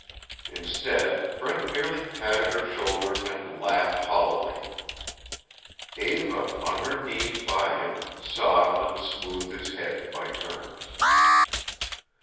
Instead, Brent merely patted her shoulder and laughed hollowly. Eva, on her knees by him, sobbed and smoothed his head by turns.